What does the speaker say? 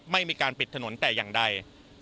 ไม่มีการปิดถนนแต่อย่างใด